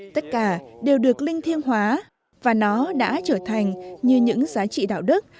tất cả đều được linh thiêng hóa và nó đã trở thành như những giá trị đạo đức